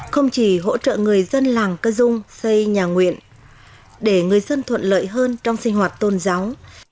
không chỉ hỗ trợ người dân làng cơ dung xây nhà nguyện để người dân thuận lợi hơn trong sinh hoạt tôn giáo